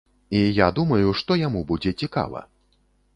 І я думаю, што яму будзе цікава.